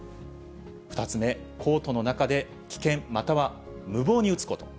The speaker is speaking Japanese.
２つ目、コートの中で危険または無謀に打つこと。